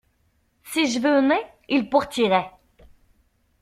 Si je venais, il partirait.